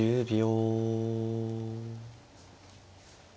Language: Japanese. １０秒。